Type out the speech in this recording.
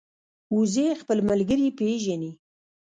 وزې خپل ملګري پېژني